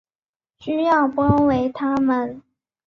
需要包围他们